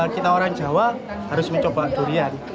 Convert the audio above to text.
kita orang jawa harus mencoba durian